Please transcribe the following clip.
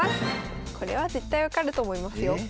これは絶対分かると思いますよ。え？